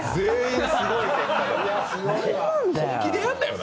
本気でやったよな。